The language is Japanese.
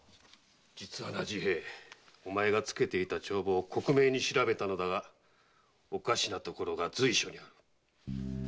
実はお前がつけていた帳簿を克明に調べたのだがおかしなところが随所にある。